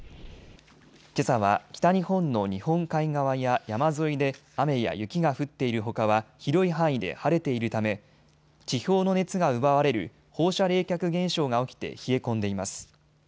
けさは北日本の日本海側や山沿いで雨や雪が降っているほかは広い範囲で晴れているため地表の熱が奪われる放射冷却現象が起きて冷え込んでいます。